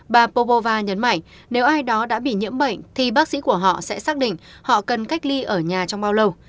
bà pobova nhấn mạnh nếu ai đó đã bị nhiễm bệnh thì bác sĩ của họ sẽ xác định họ cần cách ly ở nhà trong bao lâu